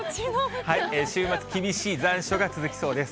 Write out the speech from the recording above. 週末、厳しい残暑が続きそうです。